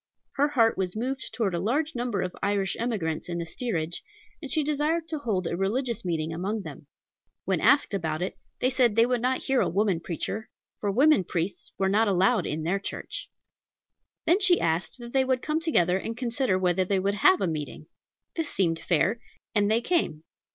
Her heart was moved toward a large number of Irish emigrants in the steerage, and she desired to hold a religious meeting among them. When asked about it, they said they would not hear a woman preacher, for women priests were not allowed in their church. Then she asked that they would come together and consider whether they would have a meeting. This seemed fair, and they came.